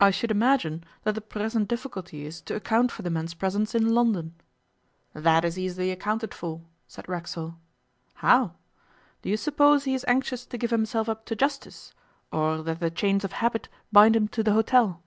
'I should imagine that the present difficulty is to account for the man's presence in London.' 'That is easily accounted for,' said Racksole. 'How? Do you suppose he is anxious to give himself up to justice, or that the chains of habit bind him to the hotel?